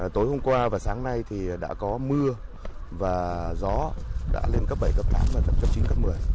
tối hôm qua và sáng nay thì đã có mưa và gió đã lên cấp bảy cấp tám và giật cấp chín cấp một mươi